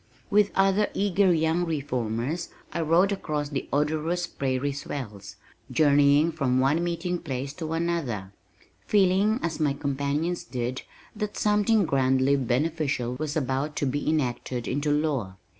With other eager young reformers, I rode across the odorous prairie swells, journeying from one meeting place to another, feeling as my companions did that something grandly beneficial was about to be enacted into law.